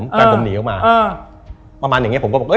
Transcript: ผู้หญิงผมหนีอยู่จากระบบว้าน